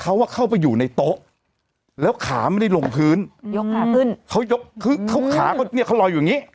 เขาว่าเข้าไปอยู่ในโต๊ะแล้วขาไม่ได้ลงพื้นยกขาขึ้นเขายกคือเขาขาก็เนี่ยเขาลอยอยู่อย่างงี้